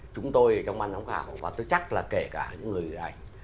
chúng tôi trong ban giám khảo và tôi chắc là kể cả những người ảnh